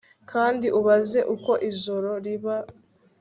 kandi ubaze uko ijoro riba